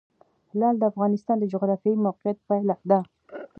لعل د افغانستان د جغرافیایي موقیعت پایله ده.